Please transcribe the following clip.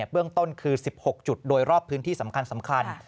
เบื้องต้นคือ๑๖จุดโดยรอบพื้นที่สำคัญ